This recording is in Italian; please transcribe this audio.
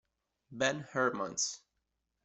Ben Hermans